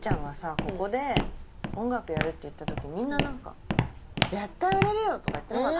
ここで音楽やるって言った時みんな何か「絶対売れるよ」とか言ってなかった？